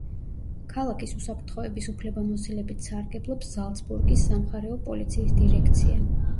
ქალაქის უსაფრთხოების უფლებამოსილებით სარგებლობს ზალცბურგის სამხარეო პოლიციის დირექცია.